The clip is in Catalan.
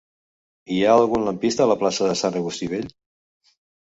Hi ha algun lampista a la plaça de Sant Agustí Vell?